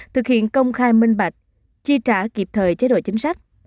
thực hiện công khai minh bạch chi trả kịp thời chế độ chính sách